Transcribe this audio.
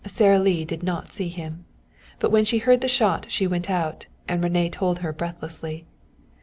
Sara Lee did not see him. But when she heard the shot she went out, and René told her breathlessly.